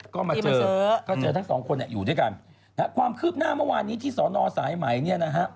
ก็มาเจอก็เจอทั้งสองคนเนี่ยอยู่ด้วยกันนะฮะความคืบหน้าเมื่อวานนี้ที่สอนอสายไหมเนี่ยนะฮะ